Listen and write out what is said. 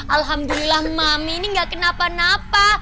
alhamdulillah mami ini gak kenapa napa